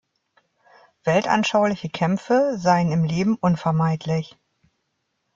Weltanschauliche Kämpfe seien im Leben unvermeidlich.